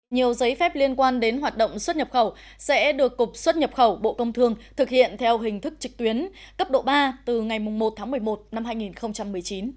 nhiều giấy phép liên quan đến hoạt động xuất nhập khẩu sẽ được cục xuất nhập khẩu bộ công thương thực hiện theo hình thức trực tuyến cấp độ ba từ ngày một tháng một mươi một năm hai nghìn một mươi chín